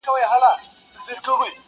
ډېر مرغان سوه د جرګې مخي ته وړاندي،